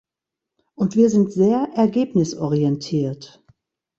Und wir sind sehr ergebnisorientiert.